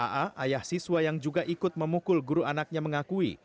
aa ayah siswa yang juga ikut memukul guru anaknya mengakui